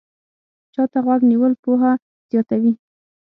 چا ته غوږ نیول پوهه زیاتوي